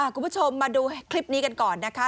คุณผู้ชมมาดูคลิปนี้กันก่อนนะคะ